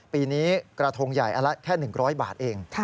ปีนี้กระทงใหญ่อันละแค่๑๐๐บาทเอง